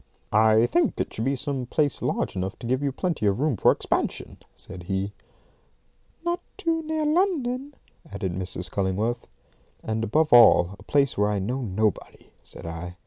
"I think it should be some place large enough to give you plenty of room for expansion," said he. "Not too near London," added Mrs. Cullingworth. "And, above all, a place where I know nobody," said I.